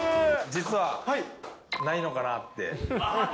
実は、ないのかなって。